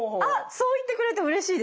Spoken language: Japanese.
そう言ってくれてうれしいです。